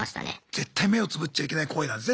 絶対目をつぶっちゃいけない行為なんですね